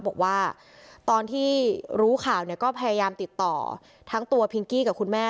บอกว่าตอนที่รู้ข่าวเนี่ยก็พยายามติดต่อทั้งตัวพิงกี้กับคุณแม่